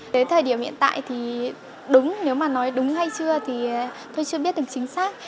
đến thời điểm hiện tại thì đúng nếu mà nói đúng hay chưa thì tôi chưa biết được chính xác